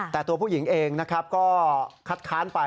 แต่ตัวผู้หญิงเองก็คัดค้านไป